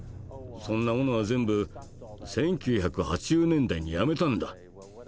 「そんなものは全部１９８０年代にやめたんだ」。